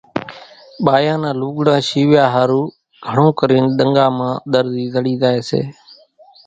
ٻايان نان لوڳڙان شيويا ۿارُو گھڻون ڪرين ۮنڳا مان ۮرزي زڙي زائي سي